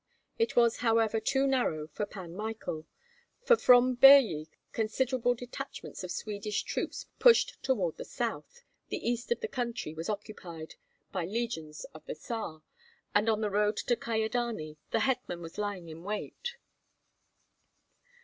It was, however, too narrow for Pan Michael; for from Birji considerable detachments of Swedish troops pushed toward the south, the east of the country was occupied by the legions of the Tsar, and on the road to Kyedani the hetman was lying in wait.